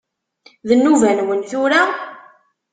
D nnuba-nwen tura?